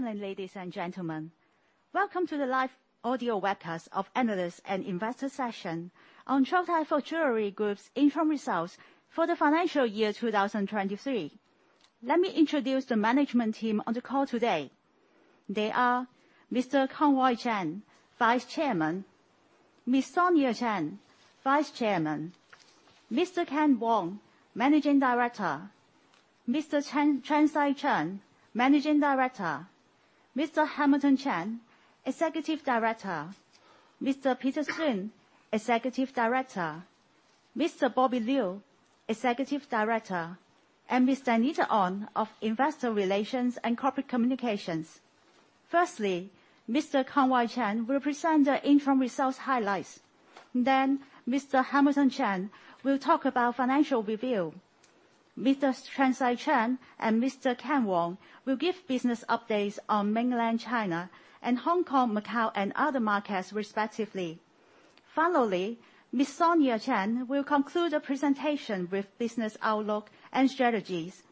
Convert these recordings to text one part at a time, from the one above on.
Good evening, ladies and gentlemen. Welcome to the live audio webcast of Analyst and Investor Session on Chow Tai Fook Jewellery Group's Interim Results for the Financial Year 2023. Let me introduce the management team on the call today. They are Mr. Peter Kin Wai Chan, Vice-chairman, Ms. Sonia Cheng, Vice-chairman, Mr. Kent Wong, Managing Director, Mr. Chan Sai-Cheong, Managing Director, Mr. Hamilton Cheng, Executive Director, Mr. Peter Suen, Executive Director, Mr. Bobby Liu, Executive Director, and Ms. Danita On of Investor Relations and Corporate Communications. Mr. Peter Kin Wai Chan will present the interim results highlights. Mr. Hamilton Cheng will talk about financial review. Mr. Chan Sai-Cheong and Mr. Kent Wong will give business updates on Mainland, China and Hong Kong, Macao and other markets respectively. Ms. Sonia Cheng will conclude the presentation with business outlook and strategies.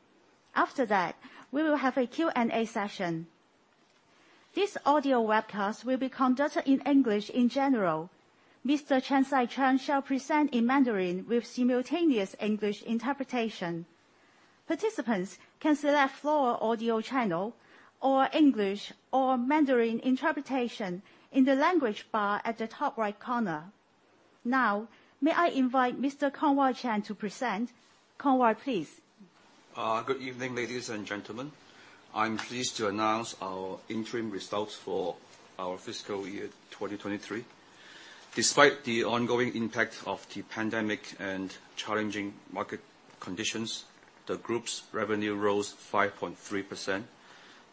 After that, we will have a Q&A session. This audio webcast will be conducted in English in general. Mr. Chan Sai-Cheong shall present in Mandarin with simultaneous English interpretation. Participants can select floor audio channel or English or Mandarin interpretation in the language bar at the top right corner. Now, may I invite Mr. Kent Wong Siu-Kee to present? Kent, please. Good evening ladies and gentlemen. I'm pleased to announce our interim results for our fiscal year 2023. Despite the ongoing impact of the pandemic and challenging market conditions, the group's revenue rose 5.3%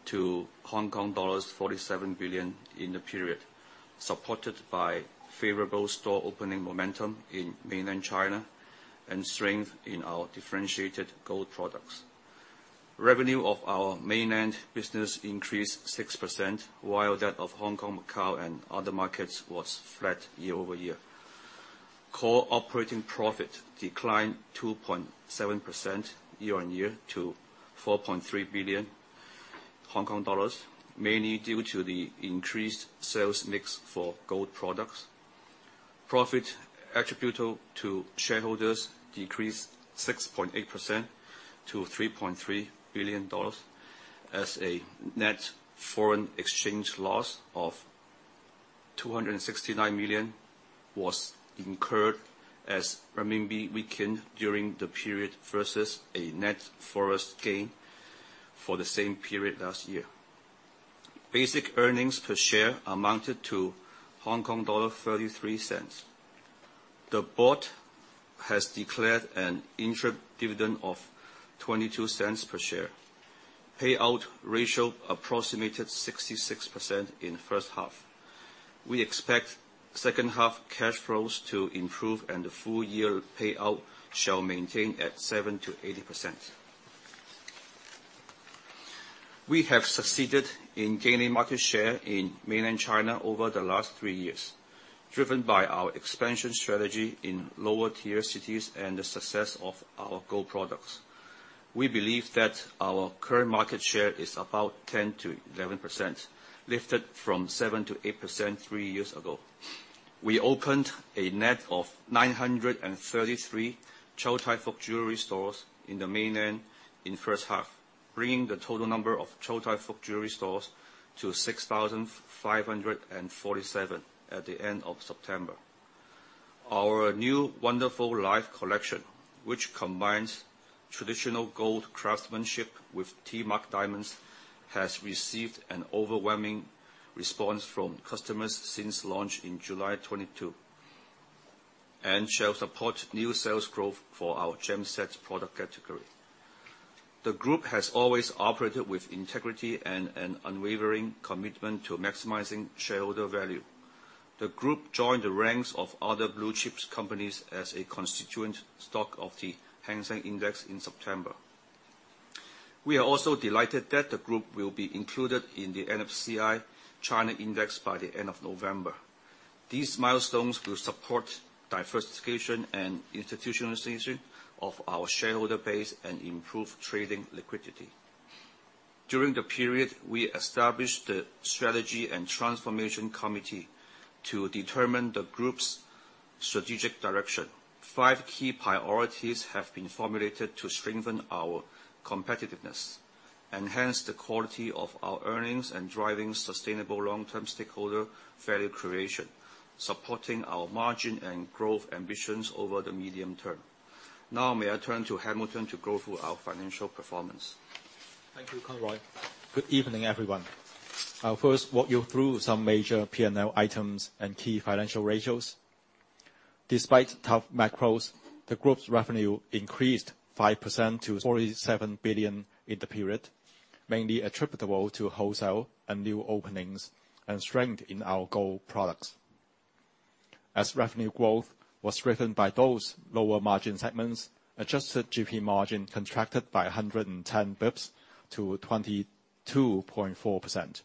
to Hong Kong dollars 47 billion in the period, supported by favorable store opening momentum in Mainland, China and strength in our differentiated gold products. Revenue of our Mainland business increased 6%, while that of Hong Kong, Macao and other markets was flat year-over-year. Core operating profit declined 2.7% year-on-year to 4.3 billion Hong Kong dollars, mainly due to the increased sales mix for gold products. Profit attributable to shareholders decreased 6.8% to HKD 3.3 billion as a net foreign exchange loss of HKD 269 million was incurred as renminbi weakened during the period versus a net foreign gain for the same period last year. Basic earnings per share amounted to 0.33. The board has declared an interim dividend of 0.22 per share. Payout ratio approximated 66% in the first half. We expect second half cash flows to improve and the full year payout shall maintain at 70%-80%. We have succeeded in gaining market share in Mainland, China over the last three years, driven by our expansion strategy in lower tier cities and the success of our gold products. We believe that our current market share is about 10%-11%, lifted from 7%-8% three years ago. We opened a net of 933 Chow Tai Fook Jewellery stores in the Mainland in first half, bringing the total number of Chow Tai Fook Jewellery stores to 6,547 at the end of September. Our new Wonderful Life Collection, which combines traditional gold craftsmanship with T MARK diamonds, has received an overwhelming response from customers since launch in July 2022 and shall support new sales growth for our gem set product category. The group has always operated with integrity and an unwavering commitment to maximizing shareholder value. The group joined the ranks of other blue-chip companies as a constituent stock of the Hang Seng Index in September. We are also delighted that the group will be included in the MSCI China Index by the end of November. These milestones will support diversification and institutionalization of our shareholder base and improve trading liquidity. During the period, we established the Strategy and Transformation Committee to determine the group's strategic direction. Five key priorities have been formulated to strengthen our competitiveness, enhance the quality of our earnings, and driving sustainable long-term stakeholder value creation, supporting our margin and growth ambitions over the medium term. Now may I turn to Hamilton to go through our financial performance. Thank you Kent. Good evening everyone. I'll first walk you through some major P&L items and key financial ratios. Despite tough macros, the group's revenue increased 5% to 47 billion in the period, mainly attributable to wholesale and new openings and strength in our gold products. As revenue growth was driven by those lower margin segments, adjusted GP margin contracted by 110 basis points to 22.4%.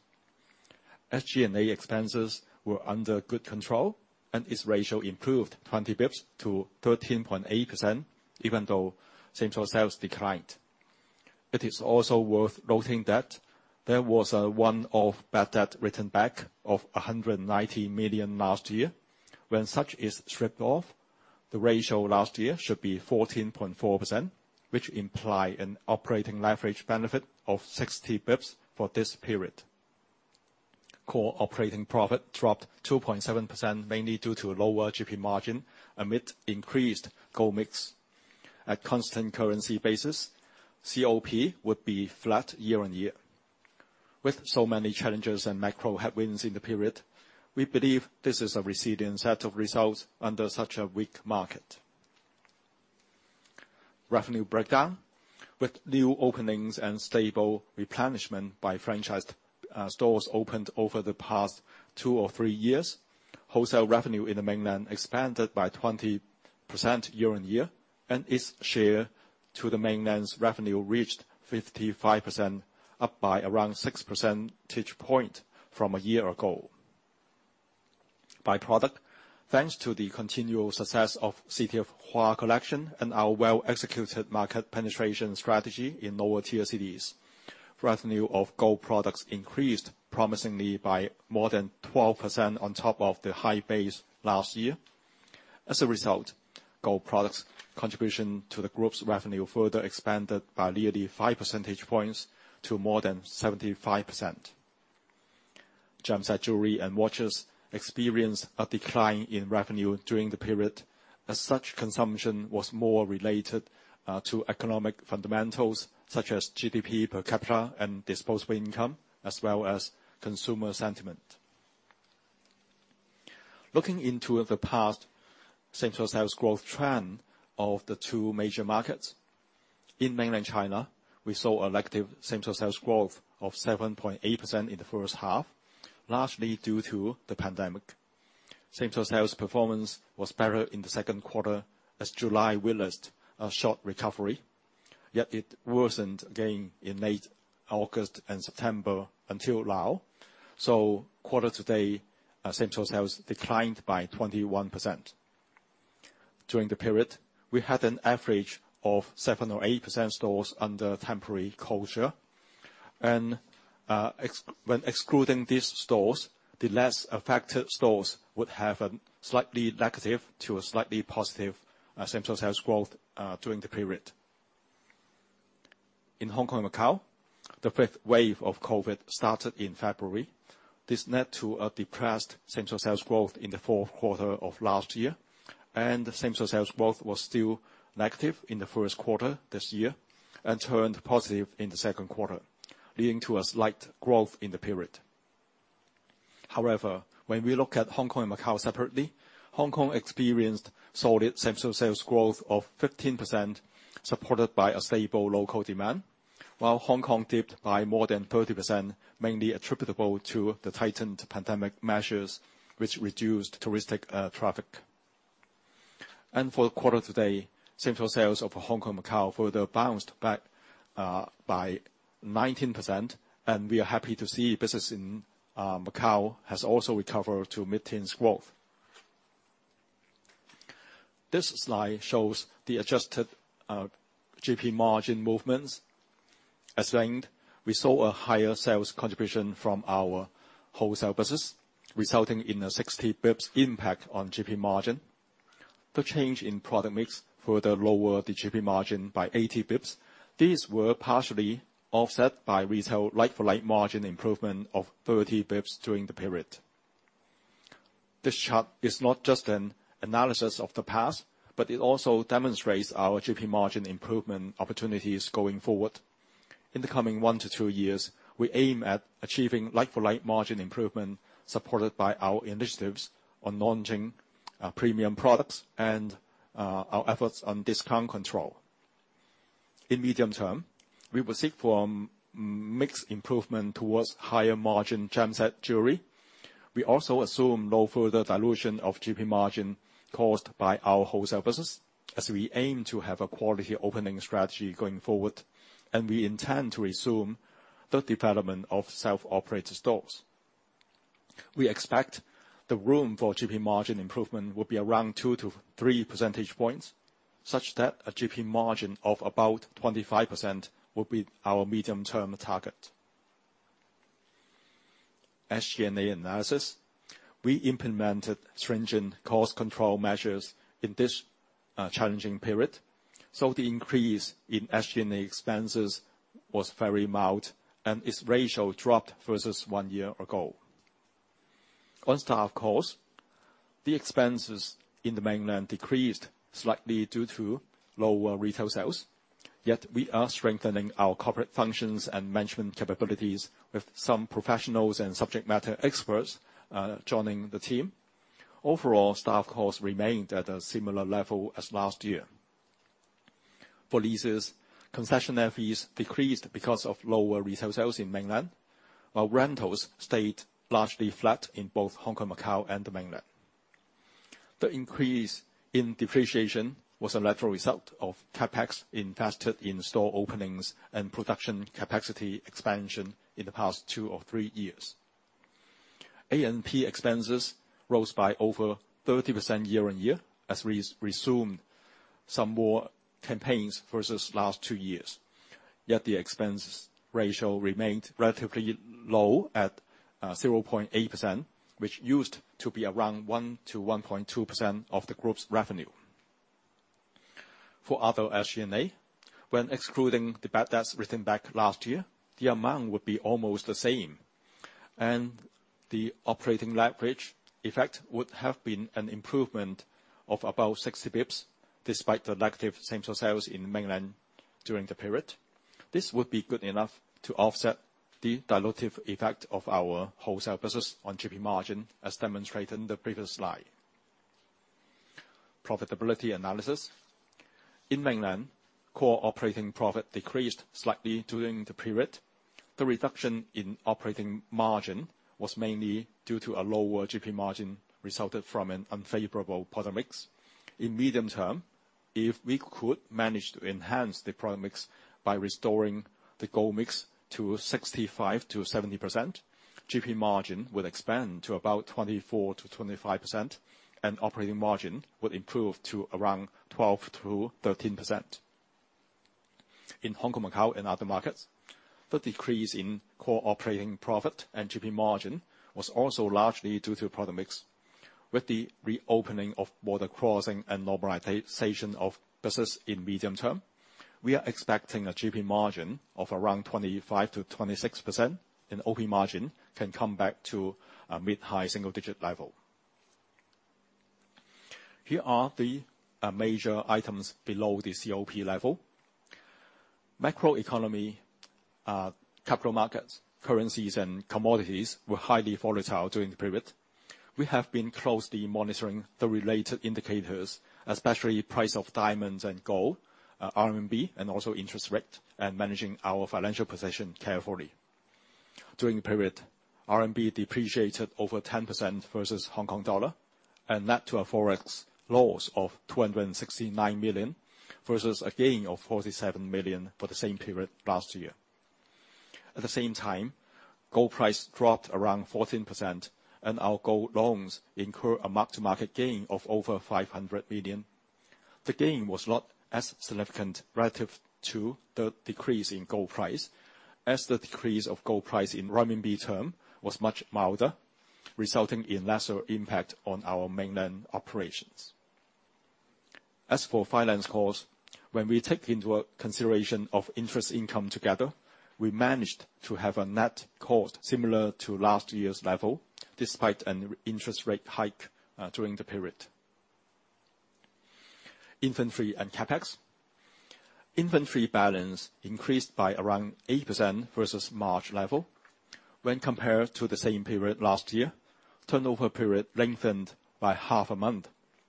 SG&A expenses were under good control and its ratio improved 20 basis points to 13.8%, even though same-store sales declined. It is also worth noting that there was a one-off bad debt written back of 190 million last year. When such is stripped off, the ratio last year should be 14.4%, which imply an operating leverage benefit of 60 basis points for this period. Core operating profit dropped 2.7%, mainly due to lower GP margin amid increased gold mix. At constant currency basis, COP would be flat year-on-year. So many challenges and macro headwinds in the period, we believe this is a resilient set of results under such a weak market. Revenue breakdown. New openings and stable replenishment by franchised stores opened over the past two or three years, wholesale revenue in the Mainland expanded by 20% year-on-year, and its share to the Mainland's revenue reached 55%, up by around 6 percentage point from a year ago. By product, thanks to the continual success of Chow Tai Fook HUÁ Collection and our well-executed market penetration strategy in lower tier cities. Revenue of gold products increased promisingly by more than 12% on top of the high base last year. As a result, gold products contribution to the group's revenue further expanded by nearly 5 percentage points to more than 75%. Gemstone jewelry and watches experienced a decline in revenue during the period, as such, consumption was more related to economic fundamentals such as GDP per capita and disposable income, as well as consumer sentiment. Looking into the past same-store sales growth trend of the two major markets. In Mainland, China, we saw a negative same-store sales growth of 7.8% in the first half, largely due to the pandemic. Same-store sales performance was better in the second quarter as July witnessed a short recovery, yet it worsened again in late August and September until now. Quarter-to-date, same-store sales declined by 21%. During the period, we had an average of 7 or 8% stores under temporary closure. When excluding these stores, the less affected stores would have a slightly negative to a slightly positive same-store sales growth during the period. In Hong Kong and Macao, the fifth wave of COVID started in February. This led to a depressed same-store sales growth in the fourth quarter of last year. Same-store sales growth was still negative in the first quarter this year, and turned positive in the second quarter, leading to a slight growth in the period. However, when we look at Hong Kong and Macao separately, Hong Kong experienced solid same-store sales growth of 15%, supported by a stable local demand, while Hong Kong dipped by more than 30%, mainly attributable to the tightened pandemic measures, which reduced touristic traffic. For the quarter to date, same-store sales of Hong Kong and Macao further bounced back by 19%, and we are happy to see business in Macao has also recovered to mid-teens growth. This slide shows the adjusted GP margin movements. As linked, we saw a higher sales contribution from our wholesale business, resulting in a 60 pips impact on GP margin. The change in product mix further lowered the GP margin by 80 pips. These were partially offset by retail like-for-like margin improvement of 30 pips during the period. This chart is not just an analysis of the past, but it also demonstrates our GP margin improvement opportunities going forward. In the coming one to two years, we aim at achieving like-for-like margin improvement, supported by our initiatives on launching premium products and our efforts on discount control. In medium term, we will seek for mix improvement towards higher margin gem set jewelry. We also assume no further dilution of GP margin caused by our wholesale business, as we aim to have a quality opening strategy going forward. We intend to resume the development of self-operated stores. We expect the room for GP margin improvement will be around 2 to 3 percentage points, such that a GP margin of about 25% will be our medium-term target. SG&A analysis. We implemented stringent cost control measures in this challenging period. The increase in SG&A expenses was very mild and its ratio dropped versus one year ago. On staff cost, the expenses in the Mainland decreased slightly due to lower retail sales. We are strengthening our corporate functions and management capabilities with some professionals and subject matter experts joining the team. Overall, staff costs remained at a similar level as last year. For leases, concessionary fees decreased because of lower retail sales in Mainland, while rentals stayed largely flat in both Hong Kong and Macao and the Mainland. The increase in depreciation was a natural result of CapEx invested in store openings and production capacity expansion in the past two or three years. A&P expenses rose by over 30% year-on-year, as we resumed some more campaigns versus last two years. Yet the expenses ratio remained relatively low at 0.8%, which used to be around 1% to 1.2% of the group's revenue. For other SG&A, when excluding the bad debts written back last year, the amount would be almost the same. The operating leverage effect would have been an improvement of about 60 basis points, despite the negative same-store sales in Mainland during the period. This would be good enough to offset the dilutive effect of our wholesale business on GP margin, as demonstrated in the previous slide. Profitability analysis. In Mainland, core operating profit decreased slightly during the period. The reduction in operating margin was mainly due to a lower GP margin resulted from an unfavorable product mix. In medium term, if we could manage to enhance the product mix by restoring the gold mix to 65%-70%, GP margin would expand to about 24%-25%, and operating margin would improve to around 12%-13%. In Hong Kong and Macao and other markets, the decrease in core operating profit and GP margin was also largely due to product mix. With the reopening of border crossing and normalization of business in medium term, we are expecting a GP margin of around 25%-26%, and OP margin can come back to a mid-high single-digit level. Here are the major items below the COP level. Macroeconomy, capital markets, currencies, and commodities were highly volatile during the period. We have been closely monitoring the related indicators, especially price of diamonds and gold, RMB, and also interest rate, and managing our financial position carefully. During the period, RMB depreciated over 10% versus HKD and led to a Forex loss of 269 million, versus a gain of 47 million for the same period last year. At the same time, gold price dropped around 14%, and our gold loans incurred a mark-to-market gain of over 500 million. The gain was not as significant relative to the decrease in gold price, as the decrease of gold price in RMB term was much milder, resulting in lesser impact on our Mainland operations. As for finance costs, when we take into a consideration of interest income together, we managed to have a net cost similar to last year's level, despite an interest rate hike during the period. Inventory and CapEx. Inventory balance increased by around 8% versus March level when compared to the same period last year. Turnover period lengthened by half a month,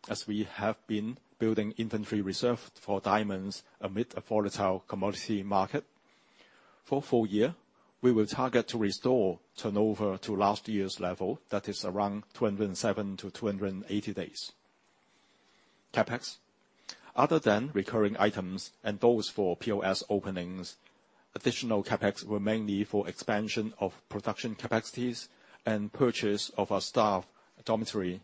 as we have been building inventory reserve for diamonds amid a volatile commodity market. For full year, we will target to restore turnover to last year's level, that is around 270-280 days. CapEx. Other than recurring items and those for POS openings, additional CapEx were mainly for expansion of production capacities and purchase of our staff dormitory.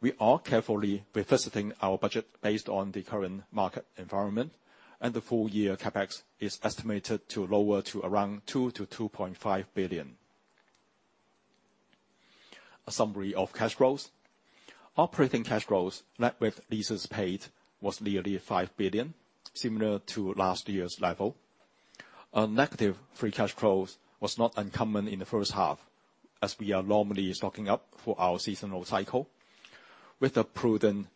We are carefully revisiting our budget based on the current market environment, and the full year CapEx is estimated to lower to around 2 billion-2.5 billion. A summary of cash flows. Operating cash flows, net of leases paid, was nearly 5 billion, similar to last year's level. A negative free cash flows was not uncommon in the first half, as we are normally stocking up for our seasonal cycle. With the prudent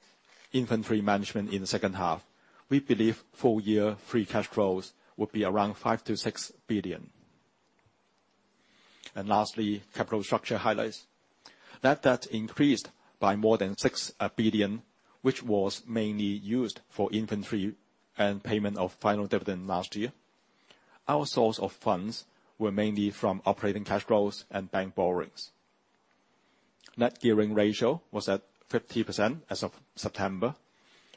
inventory management in the second half, we believe full year free cash flows will be around 5 billion-6 billion. Lastly, capital structure highlights. Net debt increased by more than 6 billion, which was mainly used for inventory and payment of final dividend last year. Our source of funds were mainly from operating cash flows and bank borrowings. Net gearing ratio was at 50% as of September,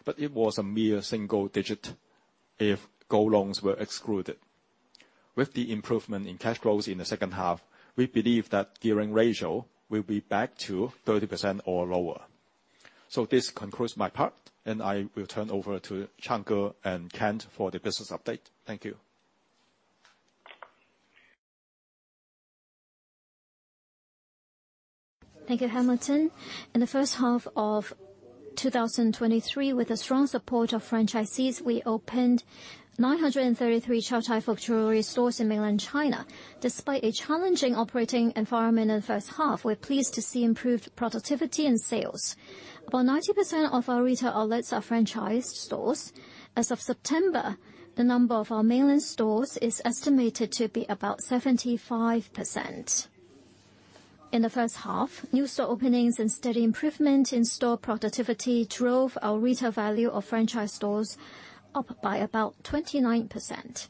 but it was a mere single digit if gold loans were excluded. With the improvement in cash flows in the second half, we believe that gearing ratio will be back to 30% or lower. This concludes my part, and I will turn over to Chan Sai-Cheong and Kent for the business update. Thank you. Thank you Hamilton. In the first half of 2023, with the strong support of franchisees, we opened 933 Chow Tai Fook jewelry stores in Mainland, China. Despite a challenging operating environment in the first half, we're pleased to see improved productivity and sales. About 90% of our retail outlets are franchised stores. As of September, the number of our Mainland stores is estimated to be about 75%. In the first half, new store openings and steady improvement in store productivity drove our retail value of franchise stores up by about 29%.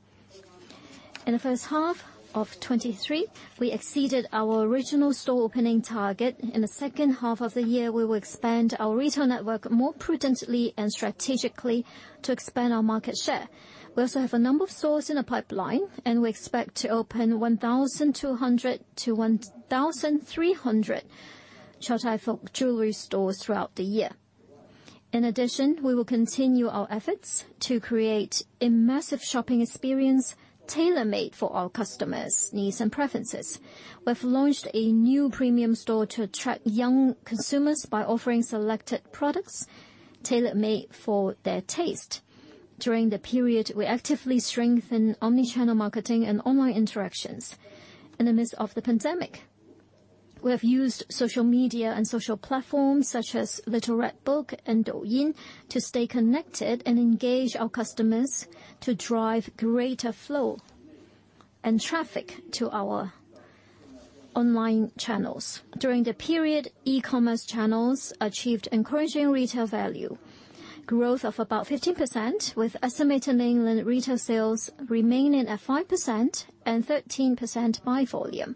In the first half of 2023, we exceeded our original store opening target. In the second half of the year, we will expand our retail network more prudently and strategically to expand our market share. We also have a number of stores in the pipeline, and we expect to open 1,200 to 1,300 Chow Tai Fook Jewellery stores throughout the year. In addition, we will continue our efforts to create immersive shopping experience tailor-made for our customers' needs and preferences. We have launched a new premium store to attract young consumers by offering selected products tailor-made for their taste. During the period, we actively strengthened omnichannel marketing and online interactions. In the midst of the pandemic, we have used social media and social platforms such as Little Red Book and Douyin to stay connected and engage our customers to drive greater flow and traffic to our online channels. During the period, e-commerce channels achieved encouraging retail value. Growth of about 15%, with estimated Mainland retail sales remaining at 5% and 13% by volume.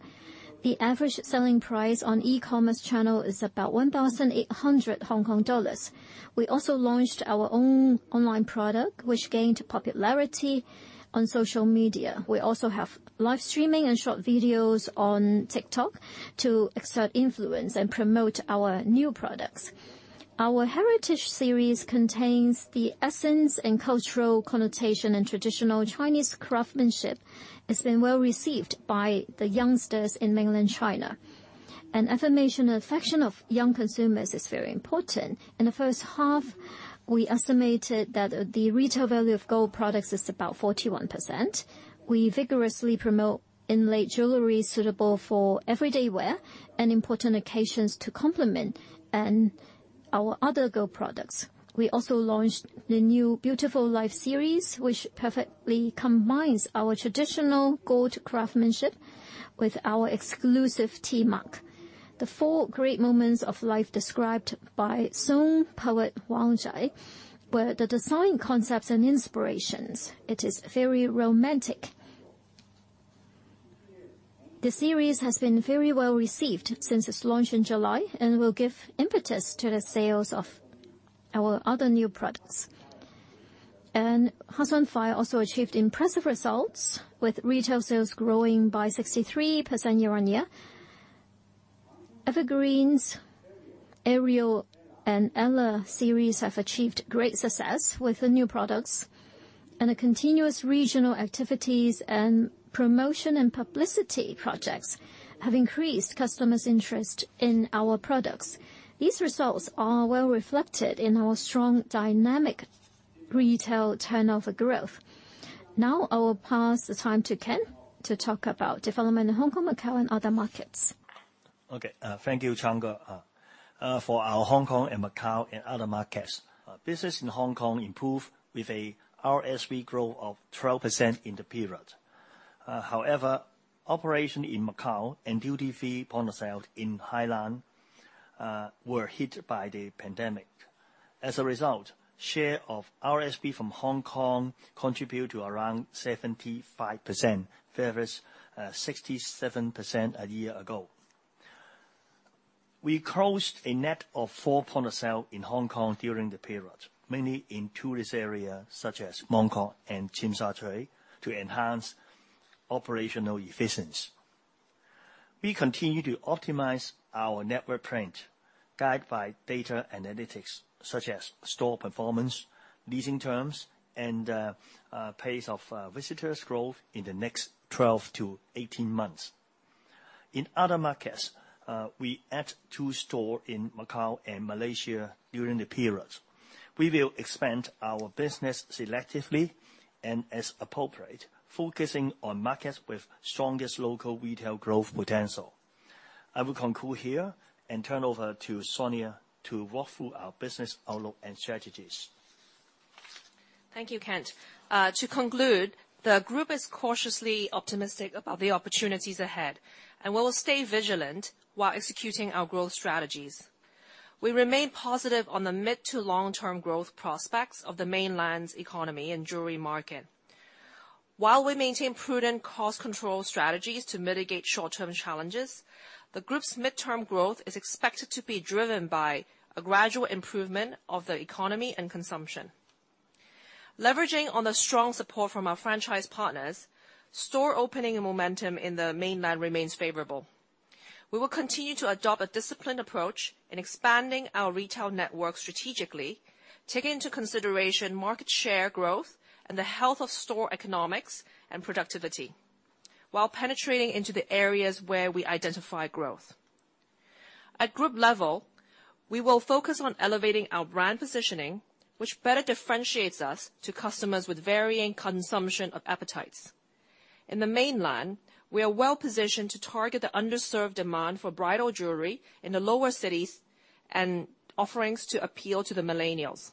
The average selling price on e-commerce channel is about 1,800 Hong Kong dollars. We also launched our own online product, which gained popularity on social media. We also have live streaming and short videos on TikTok to exert influence and promote our new products. Our heritage series contains the essence and cultural connotation and traditional Chinese craftsmanship. It's been well-received by the youngsters in Mainland, China. An affirmation affection of young consumers is very important. In the first half, we estimated that the retail value of gold products is about 41%. We vigorously promote inlay jewelry suitable for everyday wear and important occasions to complement and our other gold products. We also launched the new Wonderful Life series, which perfectly combines our traditional gold craftsmanship with our exclusive T MARK. The four great moments of life described by Song poet Wang Wei, were the design concepts and inspirations, it is very romantic. The series has been very well-received since its launch in July and will give impetus to the sales of our other new products. HEARTS ON FIRE also achieved impressive results with retail sales growing by 63% year-on-year. Evergreens, Aerial, and Illa have achieved great success with the new products. The continuous regional activities and promotion and publicity projects have increased customers' interest in our products. These results are well reflected in our strong dynamic retail turnover growth. Now I will pass the time to Kent to talk about development in Hong Kong, Macao, and other markets. Okay thank you Chan Sai-Cheong. For our Hong Kong and Macao and other markets, business in Hong Kong improved with a RSV growth of 12% in the period. However, operation in Macao and duty-free point-of-sale in Hainan were hit by the pandemic. As a result, share of RSV from Hong Kong contribute to around 75% versus 67% a year ago. We closed a net of 4 point-of-sale in Hong Kong during the period, mainly in tourist area such as Mong Kok and Tsim Sha Tsui to enhance operational efficiency. We continue to optimize our network print, guide by data analytics, such as store performance, leasing terms, and pace of visitors growth in the next 12 to 18 months. In other markets, we add two store in Macao and Malaysia during the period. We will expand our business selectively and as appropriate, focusing on markets with strongest local retail growth potential. I will conclude here and turn over to Sonia to walk through our business outlook and strategies. Thank you Kent. To conclude, the group is cautiously optimistic about the opportunities ahead, and we will stay vigilant while executing our growth strategies. We remain positive on the mid-to-long-term growth prospects of the Mainland's economy and jewelry market. While we maintain prudent cost control strategies to mitigate short-term challenges, the group's mid-term growth is expected to be driven by a gradual improvement of the economy and consumption. Leveraging on the strong support from our franchise partners, store opening and momentum in the Mainland remains favorable. We will continue to adopt a disciplined approach in expanding our retail network strategically, taking into consideration market share growth and the health of store economics and productivity, while penetrating into the areas where we identify growth. At group level, we will focus on elevating our brand positioning, which better differentiates us to customers with varying consumption of appetites. In the Mainland, we are well-positioned to target the underserved demand for bridal jewelry in the lower cities and offerings to appeal to the millennials.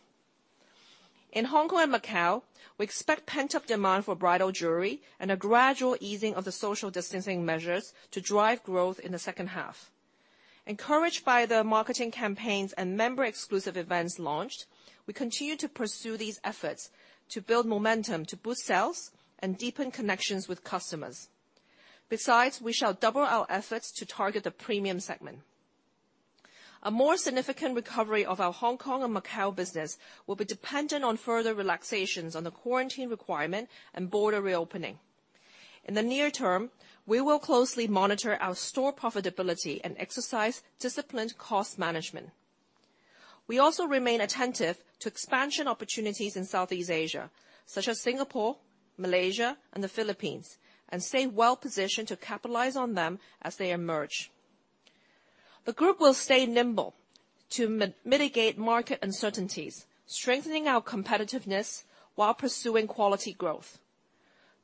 In Hong Kong and Macao, we expect pent-up demand for bridal jewelry and a gradual easing of the social distancing measures to drive growth in the second half. Encouraged by the marketing campaigns and member exclusive events launched, we continue to pursue these efforts to build momentum to boost sales and deepen connections with customers. Besides, we shall double our efforts to target the premium segment. A more significant recovery of our Hong Kong and Macao business will be dependent on further relaxations on the quarantine requirement and border reopening. In the near term, we will closely monitor our store profitability and exercise disciplined cost management. We also remain attentive to expansion opportunities in Southeast Asia, such as Singapore, Malaysia, and the Philippines, and stay well-positioned to capitalize on them as they emerge. The group will stay nimble to mitigate market uncertainties, strengthening our competitiveness while pursuing quality growth.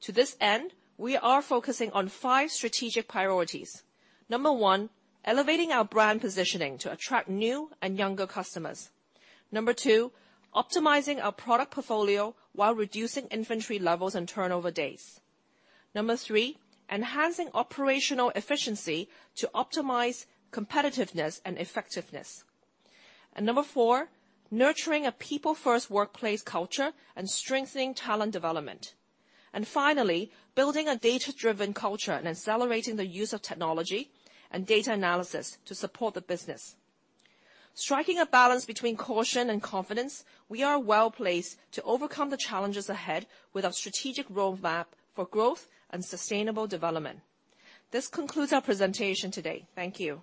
To this end, we are focusing on five strategic priorities. Number one, elevating our brand positioning to attract new and younger customers. Number two, optimizing our product portfolio while reducing inventory levels and turnover days. Number three, enhancing operational efficiency to optimize competitiveness and effectiveness. Number four, nurturing a people-first workplace culture and strengthening talent development. Finally, building a data-driven culture and accelerating the use of technology and data analysis to support the business. Striking a balance between caution and confidence, we are well-placed to overcome the challenges ahead with our strategic roadmap for growth and sustainable development. This concludes our presentation today. Thank you.